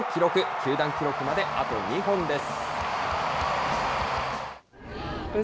球団記録まであと２本です。